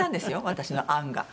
私の案が。